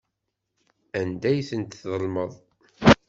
Anda ay tent-tellmeḍ?